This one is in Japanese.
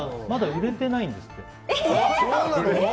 まだ売れてないんですって。